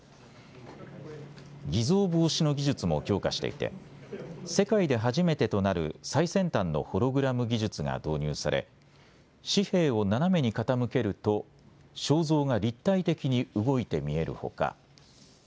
偽造防止の技術も強化していて世界で初めてとなる最先端のホログラム技術が導入され紙幣を斜めに傾けると肖像が立体的に動いて見えるほか。